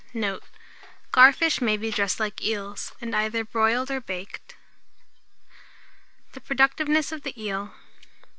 Note. Garfish may be dressed like eels, and either broiled or baked. THE PRODUCTIVENESS OF THE EEL.